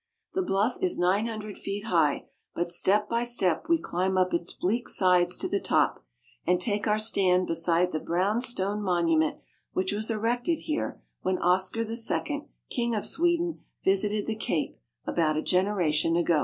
The bluff is nine hundred feet high, but step by step we climb up its bleak sides to the top, and take our stand beside the brown stone monument which was erected here when Oscar II, King of Sweden, visited the Cape about a generation ago.